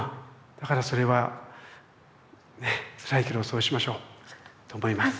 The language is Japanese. だからそれはねえつらいけどそうしましょう。と思います。